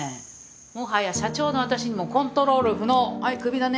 もはや社長の私にもコントロール不能はいクビだね